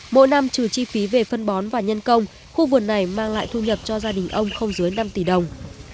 mỗi năm trừ chi phí về phân bón và nhân công khu vườn này mang lại thu nhập cho gia đình ông không dưới năm tỷ đồng